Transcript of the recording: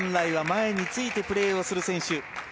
本来は前についてプレーをする選手。